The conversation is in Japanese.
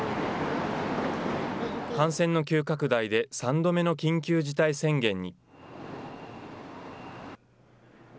感染の急拡大で３度目の緊急事態宣言に。